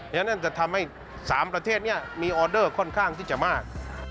ฉะนั้นจะทำให้๓ประเทศนี้มีออเดอร์ค่อนข้างที่จะมาก